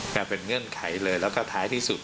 มันเป็นเงื่อนไขเลยแล้วก็ท้ายที่สุด